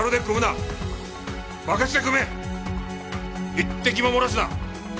一滴も漏らすな。